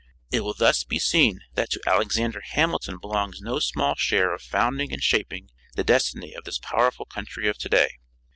It will thus be seen that to Alexander Hamilton belongs no small share of founding and shaping the destiny of this powerful country of to day.